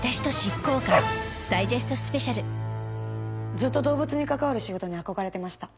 ずっと動物に関わる仕事に憧れてました。